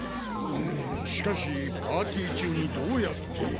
うんしかしパーティー中にどうやって。